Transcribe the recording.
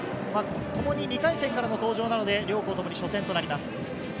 ともに２回戦からの登場なので、両校共に初戦となります。